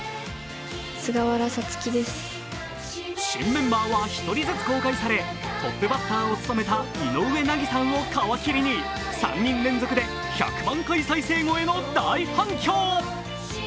新メンバーは１人ずつ公開されトップバッターを務めた井上和さんを皮切りに３人連続で１００万回再生超えの大反響。